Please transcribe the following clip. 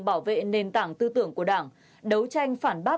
bảo vệ nền tảng tư tưởng của đảng đấu tranh phản bác